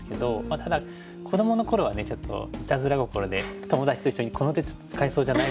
ただ子どもの頃はねちょっといたずら心で友達と一緒に「この手ちょっと使えそうじゃない？」